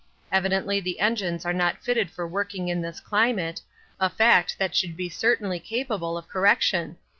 Evidently the engines are not fitted for working in this climate, a fact that should be certainly capable of correction.